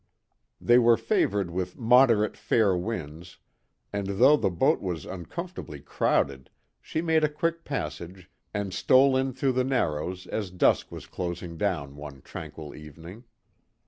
They were favoured with moderate fair winds, and though the boat was uncomfortably crowded, she made a quick passage and stole in through the Narrows as dusk was closing down one tranquil evening.